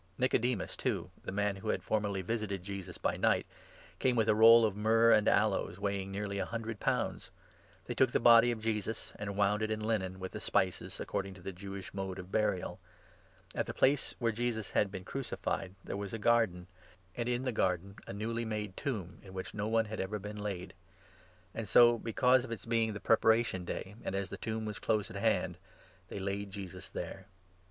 Nicodemus, too — the man who had 39 formerly visited Jesus by night — came with a roll of myrrh and aloes, weighing nearly a hundred pounds. They took the body 40 of Jesus, and wound it in linen with the spices, according to the Jewish mode of burial. At the place where Jesus had been 41 crucified there was a garden, and in the garden a newly made tomb in which no one had ever been laid. And so, because of 42 its being the Preparation Day, and as the tomb was close at hand, they laid Jesus there.